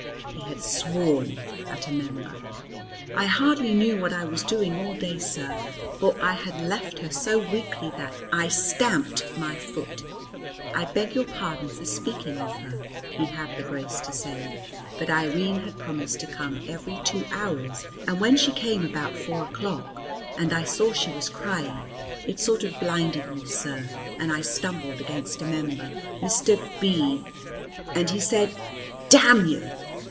He had sworn at a member! "I hardly knew what I was doing all day, sir, for I had left her so weakly that " I stamped my foot. "I beg your pardon for speaking of her," he had the grace to say. "But Irene had promised to come every two hours; and when she came about four o'clock and I saw she was crying, it sort of blinded me, sir, and I stumbled against a member, Mr. B , and he said, 'Damn you!'